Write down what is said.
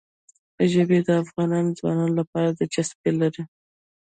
ژبې د افغان ځوانانو لپاره دلچسپي لري.